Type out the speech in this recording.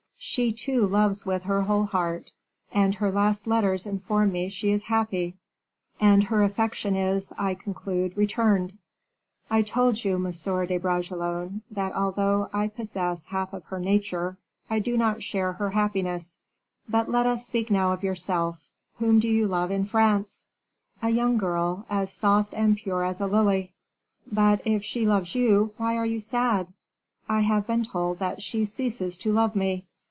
"She, too, loves with her whole heart; and her last letters inform me she is happy, and her affection is, I conclude, returned. I told you, Monsieur de Bragelonne, that although I possess half of her nature, I do not share her happiness. But let us now speak of yourself; whom do you love in France?" "A young girl, as soft and pure as a lily." "But if she loves you, why are you sad?" "I have been told that she ceases to love me."